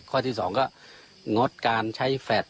ข้อที่สองก็งดการใช้แฟด